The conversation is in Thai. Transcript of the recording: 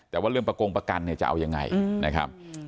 แต่ว่าเรื่องประกงประกันเนี่ยจะเอายังไงนะครับ